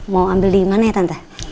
mau ambil di mana ya tante